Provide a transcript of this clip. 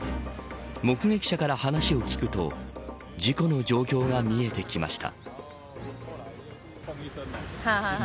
目撃者から話を聞くと事故の状況が見えてきました。